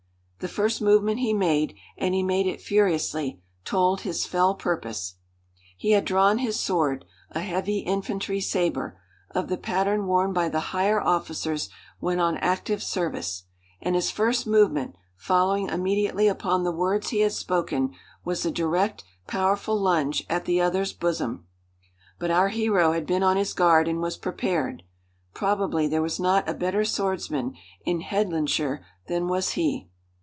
The first movement he made and he made it furiously, told his fell purpose. He had drawn his sword, a heavy infantry sabre, of the pattern worn by the higher officers when on active service, and his first movement, following immediately upon the words he had spoken, was a direct, powerful lunge at the other's bosom. But our hero had been on his guard and was prepared. Probably there was not a better swordsman in Headlandshire than was he.